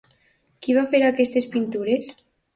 Qui va fer aquestes pintures?